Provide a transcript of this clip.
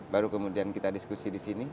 baru kemudian kita diskusi di sini